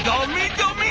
ダメ！